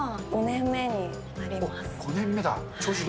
５年目だ。